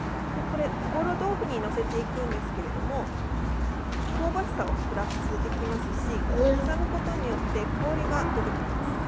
おぼろ豆腐に載せていくんですけれども香ばしさをプラスできますし刻むことによって香りが出てきます。